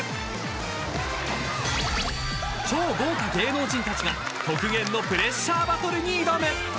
［超豪華芸能人たちが極限のプレッシャーバトルに挑む］